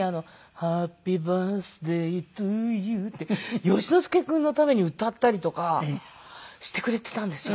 「ハッピーバースデイトゥユー」って善之介君のために歌ったりとかしてくれていたんですよ。